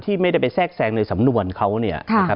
ที่ไม่ได้ไปแทรกแซงในสำนวนเขา